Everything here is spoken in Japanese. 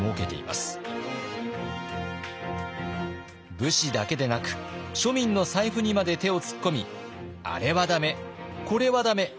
武士だけでなく庶民の財布にまで手を突っ込みあれは駄目これは駄目。